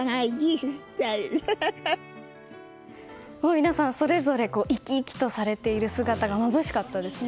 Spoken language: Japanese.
皆さんそれぞれ生き生きとされている姿がまぶしかったですね。